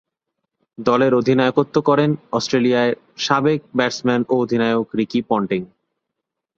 দলের অধিনায়কত্ব করেন অস্ট্রেলিয়ার সাবেক ব্যাটসম্যান ও অধিনায়ক রিকি পন্টিং।